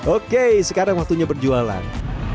oke sekarang waktunya berjualan